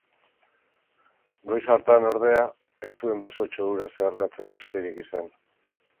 Goiz hartan, ordea, ez zuen basotxo hura zeharkatzeko astirik izan.